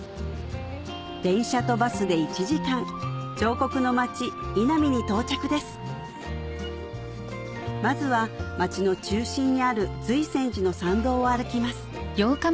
電車とバスで１時間彫刻の町井波に到着ですまずは町の中心にある瑞泉寺の参道を歩きます